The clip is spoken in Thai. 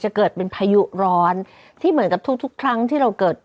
เกิดเป็นพายุร้อนที่เหมือนกับทุกทุกครั้งที่เราเกิด